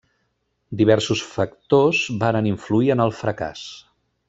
Diversos factors varen influir en el fracàs.